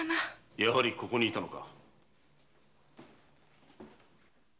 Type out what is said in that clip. やはりここに居たのか。